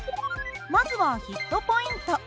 まずはヒットポイント。